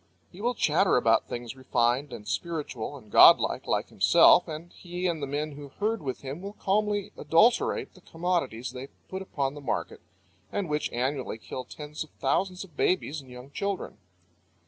He will chatter about things refined and spiritual and godlike like himself, and he and the men who herd with him will calmly adulterate the commodities they put upon the market and which annually kill tens of thousands of babies and young children.